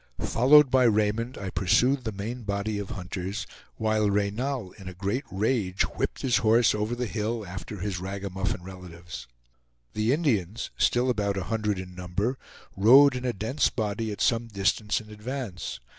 Followed by Raymond I pursued the main body of hunters, while Reynal in a great rage whipped his horse over the hill after his ragamuffin relatives. The Indians, still about a hundred in number, rode in a dense body at some distance in advance.